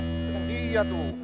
itu dia tuh